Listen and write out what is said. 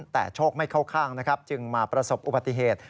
แต่โชคไม่เข้าข้างนะครับจึงมาประสบอุบัติเหตุ